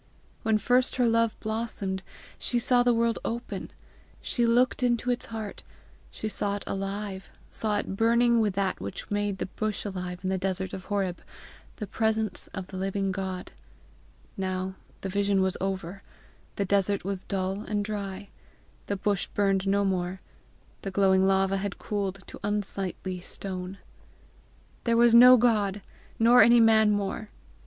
When first her love blossomed, she saw the world open; she looked into its heart; she saw it alive saw it burning with that which made the bush alive in the desert of Horeb the presence of the living God; now, the vision was over, the desert was dull and dry, the bush burned no more, the glowing lava had cooled to unsightly stone! There was no God, nor any man more!